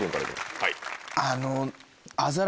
はい。